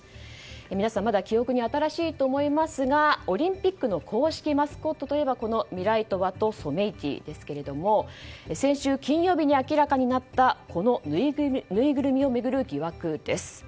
皆さんまだ記憶に新しいと思いますがオリンピックの公式マスコットといえばこのミライトワとソメイティですけれども先週金曜日に明らかになったこのぬいぐるみを巡る疑惑です。